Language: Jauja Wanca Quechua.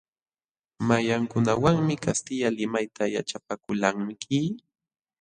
¿Mayqankunawanmi kastilla limayta yaćhapakulqanki?